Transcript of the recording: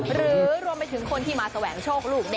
หรือรวมไปถึงคนที่มาแสวงโชคลูก